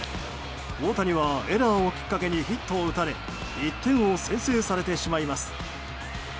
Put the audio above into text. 大谷はエラーをきっかけにヒットを打たれ１点を先制されてしまいます。